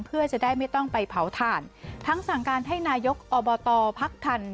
เพื่อจะได้ไม่ต้องไปเผาถ่านทั้งสั่งการให้นายกอบตพักทัน